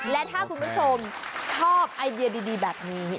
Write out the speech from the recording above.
และถ้าคุณผู้ชมชอบไอเดียดีแบบนี้